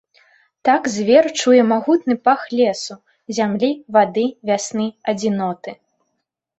Так звер чуе магутны пах лесу, зямлі, вады, вясны, адзіноты.